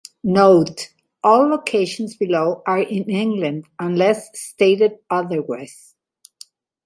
Note: All locations below are in England unless stated otherwise.